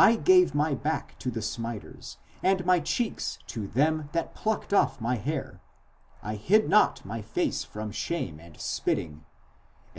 Z gave my back to the smiters, and my cheeks to them that plucked off the hair: I hid not my face from shame and spitting, etc.